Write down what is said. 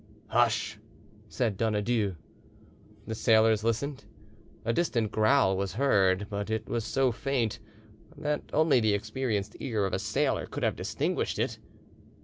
"Hush!" said Donadieu. The sailors listened; a distant growl was heard, but it was so faint that only the experienced ear of a sailor could have distinguished it.